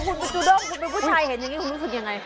คุณจูด้งคุณเป็นผู้ชายเห็นอย่างนี้คุณรู้สึกยังไง